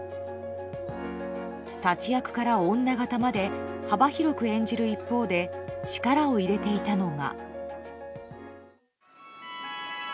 立役から女形まで幅広く演じる一方で力を入れていたのが。